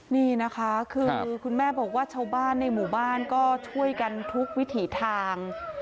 นี่นะคะคือคุณแม่บอกว่าชาวบ้านในหมู่บ้านก็ช่วยกันทุกวิถีทาง